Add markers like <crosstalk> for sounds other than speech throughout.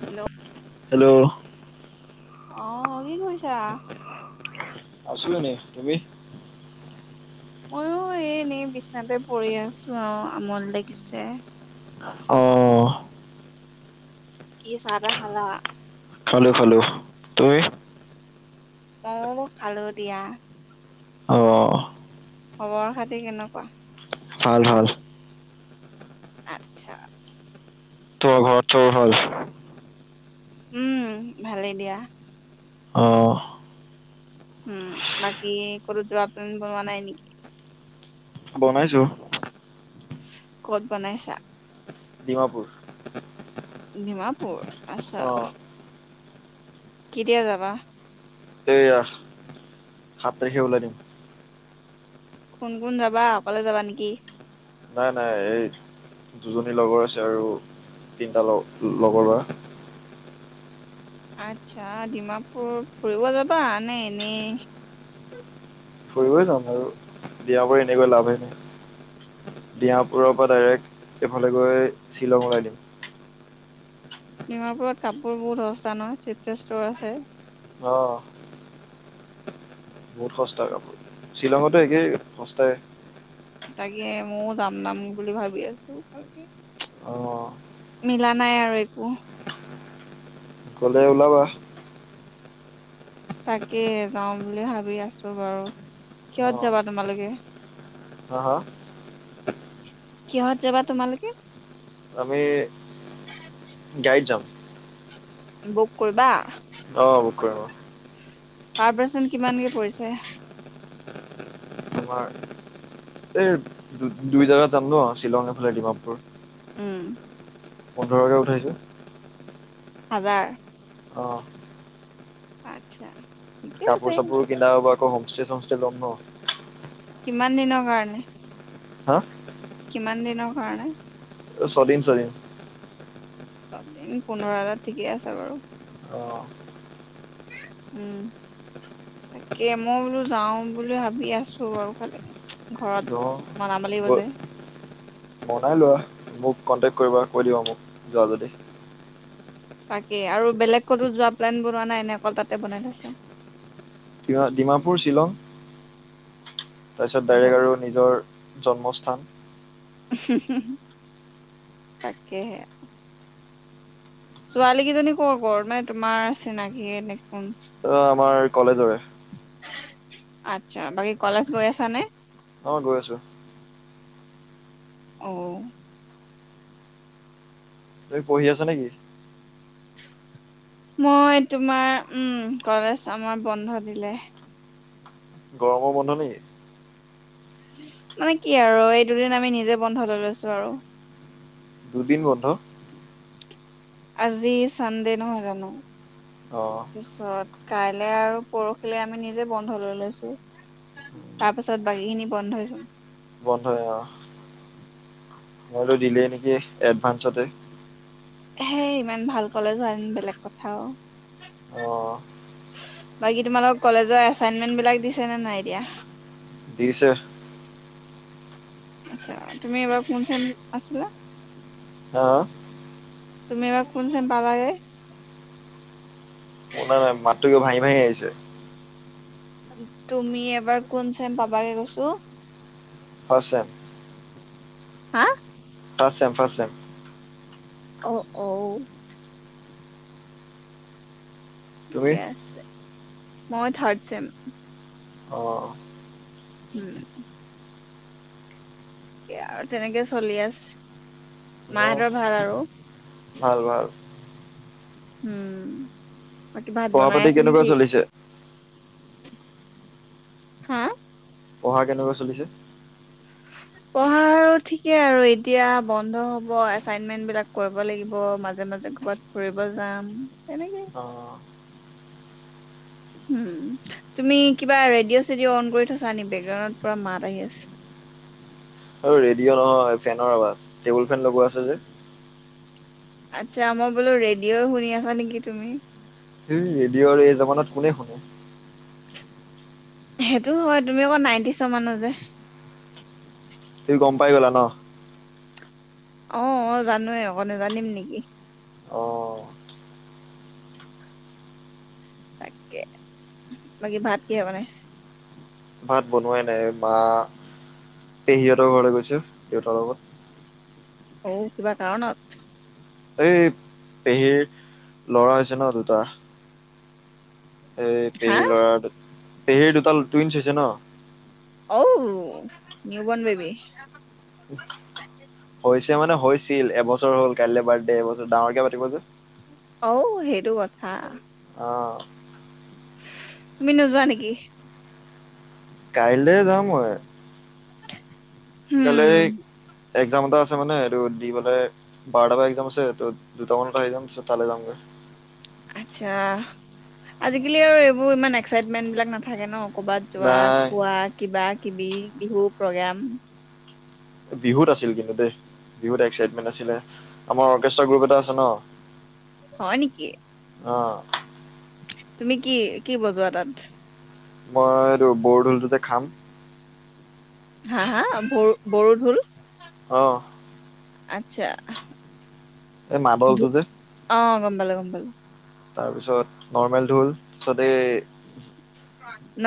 Hello? Hello? অঁ, কি কৰিছা? আছো এনে, তমি? ময়ো এই এনেই বিচনাতে পৰি আছো আৰু, আমনি লাগিছে। অ'। কি চাহ তাহ খালা? খালো খালো, তুমি? ময় খালো দিয়া। অ'। খবৰ খাতি কেনেকুৱা? ভাল ভাল। আচ্ছা। তোৰ ঘৰত চুৰ হ'ল। উম, ভালেই দিয়া। অ' উম, বাকী কতো যোৱা প্লেন বনোৱা নাই নেকি? বনাইছো। ক'ত বনাইছা? ডিমাপুৰ। নিমাপুৰ, আছা অ' কেতিয়া যাবা? এইয়া সাত তাৰিখে ওলাই দিম। কোন কোন যাবা, অকলে যাবা নেকি? নাই নাই এই দুজনীলগৰ আছে আৰু তিনিটা লগৰ বা আচ্ছা ডিমাপুৰ ফুৰিব যাবা নে এনেই? ফুৰিব যাম আৰু দিয়াৰ পৰা এনেকৈ লাভে নাই ডিমাপুৰৰ পৰা ডাইৰেক্ট এইফালে গৈ শ্বিলং ওলাই দিম। ডিমাপুৰত কাপোৰ বহুত সস্তা নহয় চিপেষ্ট ষ্টৰ আছে। অ'। বহুত সস্তা কাপোৰ, শ্বিলঙতো একেই সস্তাই। তাকে ময়ো যাম যাম বুলি ভাবি আছোঁ অ' মিলা নাই আৰু একো। গ'লে ওলাবা। তাকে যাওঁ বুলি ভাবি আছো বাৰু কিহ'ত অ' যাবা তোমালোকে? হা হা। কিহত যাবা তোমালোকে? আমি গাড়ীত যাম। বুক কৰিবা? অ', বুক কৰিম অ'। পাৰ পাৰ্চন কিমানকে পৰিছে? তোমাৰ এই দু -দুই জোগাত যাম ন', শ্বিলং এফালে ডিমাপুৰ উম। পোন্ধৰকে উঠাইছে। হাজাৰ অ'। আত্ছা। কাপোৰ -চাপোৰো কিনা হ'ব আকৌ হোমষ্টে- চমষ্টে ল'ম ন'। কিমান দিনৰ কাৰণে? হা। কিমান দিনৰ কাৰণে? ছদীন -ছদীন। চবমিলি পোন্ধৰ হেজাৰ ঠিকেই আছে বাৰু। অ উম। তাকে মই বোলো যাওঁ বুলি ভাবি আছো বাৰু খালি ঘৰত মনাব লাগিব যে মনাই লোৱা মোক কণ্টেক্ট কৰিবা কৈ দিব মোক যোৱা যদি বাকী আৰু বেলেগ কতো যোৱা প্লেন বনোৱা নাই এনে অকল তাতে বনাই থৈছোঁ কিয় ডিমাপুৰ শ্বিলং তাৰপিছত আচ্ছা বেলেগ আৰু নিজৰ জন্মস্থান উহুহু তাকেহে ছোৱালী কেইজনী কৰ -কৰ মানে তোমাৰ চিনাকি নেক অ', আমাৰ কলেজৰে। আচ্ছা, বাকী কলেজ গৈ আছা নে? অ', গৈ আছো। অঔ। তুমি পঢ়ি আছা নেকি? মই তোমাৰ উম কলেজ আমাৰ বন্ধ দিলে। গৰমৰ বন্ধ নেকি মানে কি আৰু এই দুদিন আমি নিজে বন্ধ লৈ লৈছো আৰু। দুদিন বন্ধ আজি চান দে নহয় জানো অ তা পিছত কাইলে আৰু পৰহিলে আমি নিজে বন্ধ লৈ লৈছো। তাৰ পিছত বাকী খিনি বন্ধ হৈ যাব। বন্ধ এ অ মই দিলেই নেকি এডভা্নসতে হেই ইমান ভাল কলেজ হোৱা হেন বেলেগ কথাও অঁ বাকী তোমালোক কলেজৰ এচাইনমেন্ট বিলাক দিছে নে নাই দিয়া দিচে আচ্ছা তুমি এইবাৰ কোন চেম আছিলা আ আ তুমি এইবা কোন চেম পালাগে শুনা নাই মাতটো কিবা ভাঙি ভাহি আহিছে তুমি এবাৰ কোন চেম পাবাগে কৈছো। ফাচ চেম হা ফাচচেম, ফাচচেম অ অঔ তুমি ঠিকেই আছে মই থাৰ্ড চেম অঁ উম আৰু তেনেকে চলি আছ অঁ মাহঁতৰ ভাল আৰু ভাল ভাল উম বাকী ভাত পঢ়া বনাই পাতি আছে কেনেকুৱা নেকি চলিছে হা পঢ়া কেনেকুৱা চলিছে উ পঢ়া আৰু ঠিকে আৰু এতিয়া বন্ধ হব এচাইনমেন্ট বিলাক কৰিব লাগিব মাজে মাজে ক'বাত ফুৰিব যাম তেনেকে অঁ উ তুমি কিবা ৰেডিঅ' চেডিঅ' অন কৰি থৈছে নেকি বেকগ্ৰাউণ্ডত পুৰা মাত আহি আছে আৰু ৰেডিঅ' নহয় ফেনৰ আবাজ টেবুল ফেন লগোৱা আছে যে আচ্ছা মই বোলো ৰেডিঅ' শুনি আছা নেকি তুমি সেই ৰেডিঅ'ৰ এই জামানাত কোনে শুনে সেইটো হয় তুমি অকৌ নাইনটি চ মানো যে তুমি গম পাই গলা ন আহ অ জানোৱে আকৌ নেজানিম নেকি অঁ তাকে বাকী ভাত কিহ বনাইছে। ভাত বনোৱাই নাই বা পেহীহঁতৰ ঘৰ গৈছো দেউতাৰ লগত অঔ কিবা কাৰণত এই পেহীৰ ল'ৰা হৈছে ন দুটা এই হা পেহীৰ ল'ৰা পেহীৰ দুটা টুইন্ছ হৈছে ন অঔ নিউ বণ বেবি হৈছে মানে হৈছিল এবছৰ হ'ল কাইলৈ বাৰ্থডে এবছৰ ডাঙৰকে পাতিব যে অ সেইটো কথা অ তুমি নোযোৱা নেকি কাইলৈ যাম মই হুম গলে একজাম এটা আছে মানে এইটো দি পেলাই বাৰটা ব একজাম আছে ত দুটামানত আহি যাম পিছত তালে যামগৈ উ আচ্ছা আজিকালি আৰু এইবোৰ ইমান এক্সাইটমেন্ট বিলাক নাথাকে ন কৰ'বাত যোৱা নাই খোৱা কিবা কিবি বিহু প্ৰগ্ৰোম বিহুত আছিল কিন্তু দেই বিহুত এক্সাইটমেণ্ট আছিলে আমাৰ অৰ্কেষ্ট্ৰা গ্ৰুপ এটা আছে ন হয় নেকি অ তুমি কি কি বজোৱা তাত মই এইটো বৰদোলটোতে খাম হা হা ব বৰঢোল অ আচ্ছা এ ম বউ তো যে অ গম পালোঁ গম পালোঁ তাৰপিছত নৰ্মেল ঢোল ততে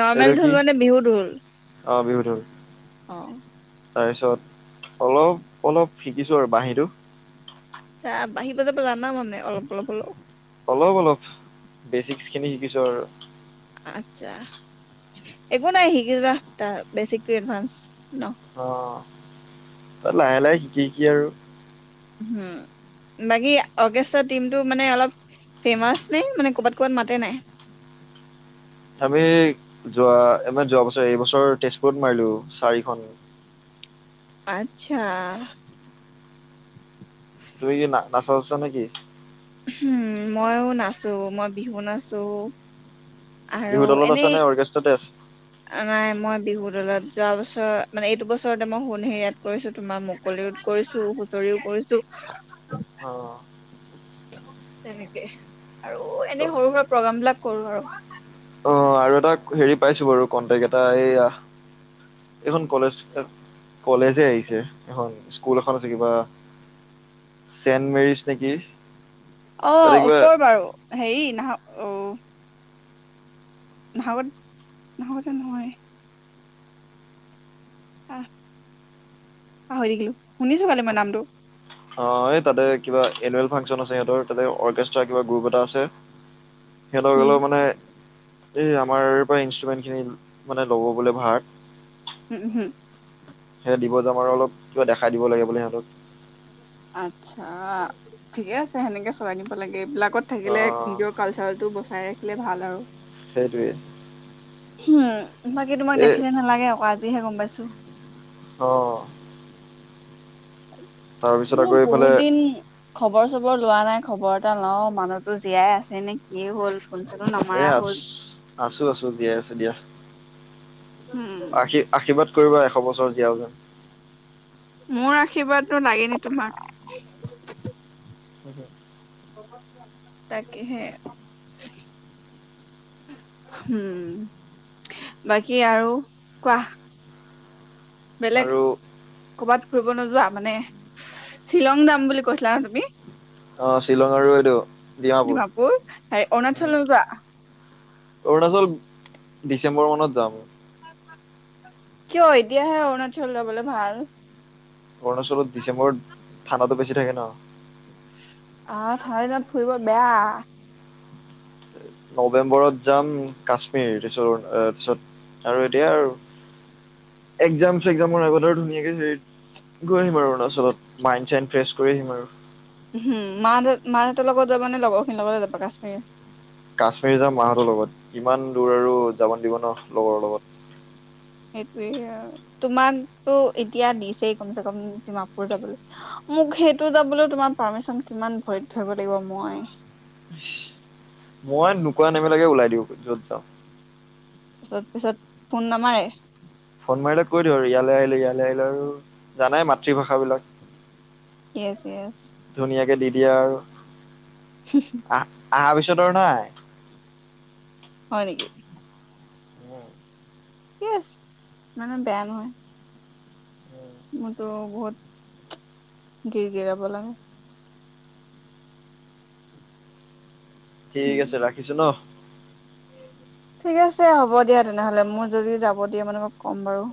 নৰ্মেল ঢোল কি মানে বিহু ঢোল অ বিহুটো অ তাৰপিছত অলপ অলপ শিকিছো আৰু বাঁহীটো আচ্ছা বাহি বজাব জানা মানে অলপ অলপ হলেও অলপ অলপ বেচিকছ খিনি শিকিছো আৰু আতছা একো নাই শিকিবা বেছিক টো এডভান্স ন অ তই লাহে লাহে শিকি শিকি আৰু হম বাকী অৰ্কেষ্ট্ৰা টিমটো মানে অলপ ফেমাচ নে মানে ক'বাত ক'বাত মাতে নাই <inaudible> আমি যোৱা আবাৰ যোৱা বছৰ এইবছৰ তেজপুৰত মাৰিলো চাৰিখন আচ্ছা তুমি কি নাচ নাছা নেকি উম মইও নাচো মই বিহু নাচো বিহু আৰু দলত আছা এনেই নে অৰ্কেষ্ট্ৰাতে আছা অ মই বিহু দলত যোৱা বছৰ মানে এইটো বছৰতে মই সোণ হেৰিয়াত কৰিছো তোমাৰ মুকলিওত কৰিছো বতৰিও কৰিছো অ তেনেকে আৰু এনে সৰু সুৰা প্ৰগ্ৰাম বিলাক কৰো অ আৰু আৰু এটা হেৰি পাইছো বাৰু কন্টেক্ট এটা এইয়া এইখন কলেজ কলেজে আহিছে এখন স্কুল এখন আছে কিবা চেণ্ট মেৰিছ নেকি অ তাতে ও কিবা কৰ বাৰু হেৰি নাহ অ নাহৰকটীয়াত নহয় আহ পাহৰি থাকিলো শুনিছো পালি মই নামটো অ এই তাতে কিবা এনুৱেল ফাংচন আছে সিহঁতৰ তাতে অৰ্কেষ্ট্ৰাৰ কিবা গ্ৰুপ এটা আছে সিহঁতৰ উম, হলেও মানে এই আমাৰ পৰা ইনষ্ট্ৰুমেন্ট খিনি মানে ল'ব বোলে ভাগ উম হম দিব যাম আৰু অলপ কিবা দেখাই দিব লাগে বোলে সিহঁতক আতচ্ছা ঠিকে আছে সেনেকে চলাই নিব লাগে এইবিলাকত থাকিলে অঁ নিজৰ কালচাৰটো বস্তু ৰাখিলে ভাল আৰু সেইটোৱ উম বাকী তোমাক দেখিলে নালাগে আকৌ আজিহে গম পাইছো অ ত তাৰপিছত আকৌ মোৰ এইফালে বহুত দিন খবৰ চবৰ লোৱা নাই খবৰ এটা লও মানুহতো জীয়াই আছে নে কিয়ে হ'ল ফোন চোনো এ নামাৰা আছ হ'ল। আছো আছো জীয়াই আছে দিয়া উম, আশী আশীৰ্বাদ কৰিবা এশ বছৰ জিয়াও যেন মোৰ আশীৰ্বাদনো লাগে ন তোমাক <unintelligible> তাকে সেই উম বাকী আৰু কোৱা বেলেগ আৰু কৰ'বাত ফুৰিব নোযোৱা মানে শ্বিলং যাম বুলি কৈছিলা ন তুমি অ শ্বিলং আৰু এইটো ডিমাপুৰ হ অৰুণাচল নজোৱা অৰুণাচল ডিচেম্বৰ মানত যাম কিয় এতিয়াহে অৰুণাচল যবলৈ ভাল অৰুণাচলত ডিচেম্বৰত ঠাণ্ডাটো বেছি থাকে ন আহ ঠাণ্ডা দিনত ফুৰিব বেয়া নৱেম্বৰত যাম কাশ্মীৰাৰত পিছত আৰু এতিয়া এক্জাম চেগজামৰ আগত আৰু ধুনীয়াকে হেৰি গৈ আহিম আৰু অৰুণাচলত মাইড চ ফ্ৰেছ কৰি আহিম আৰু উম মাহ দেত মাহ দেঁতৰ লগত যাবা নে লগৰখিনিৰ লগতে যাবা কাশ্মীৰ কাশ্মীৰী যাম মাহঁতৰ লগত ইমান দূৰ আৰু যাব দিব ন লগৰ লগত সেইটোয়ে তোমাকতো এতিয়া দিছেই কমচ কম ডিমাপুৰ যাবলৈ মোক সেইটো যাবলৈ তোমাৰ পাৰ্মিচন কিমান ভৰিত ধৰিব লাগিব মই মই নোকোৱা নেমেলাগে ওলাই দিওঁ যত যাওঁ তাৰিছত পিছত ফোন নামাৰে ফোন মাৰিলে কৈ দিওঁ ইয়ালৈ আহিলো ইয়ালৈ আহিলো আৰু জানাই মাতৃভাষাবিলাক ইয়েছ এতিয়া আৰু আহ আহাৰ পিছত আৰু নাই হয় নকি ঠিক আছে মানে বেয়া নহয় মোৰতো বহুত গিৰ গিৰাব লাগে ঠিক আছে উম, ৰাখিছো ন ঠিক আছে হ'ব দিয়া তেনেহলে মোৰ যদি যাব দিয়ে মানে ম ক'ম বাৰু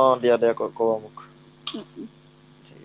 অ দিয়া দিয়া ক কবা মোক উম, উম ঠিক আছে